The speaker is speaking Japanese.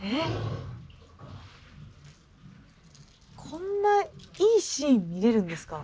こんないいシーン見れるんですか？